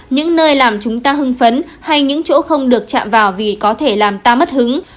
những nơi làm chúng ta hưng phấn hay những chỗ không được chạm vào vì có thể làm ta mất hứng